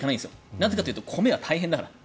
なぜかというと米は大変だから。